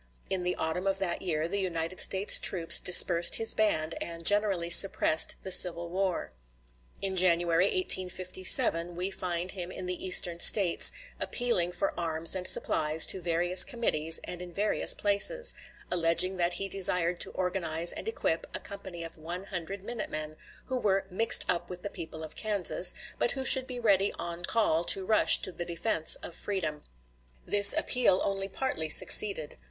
In the autumn of that year the United States troops dispersed his band, and generally suppressed the civil war. In January, 1857, we find him in the Eastern States, appealing for arms and supplies to various committees and in various places, alleging that he desired to organize and equip a company of one hundred minute men, who were "mixed up with the people of Kansas," but who should be ready on call to rush to the defense of freedom. This appeal only partly succeeded.